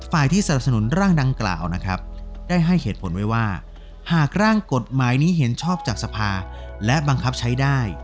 ฝ่ายที่สรรพสนุนร่างดังกล่าวนะครับได้ให้เหตุผลไว้ว่า